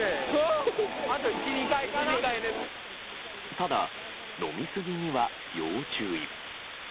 ただ、飲みすぎには要注意。